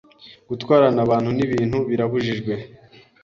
Gutwarana abantu n’ibintu birabujijwe.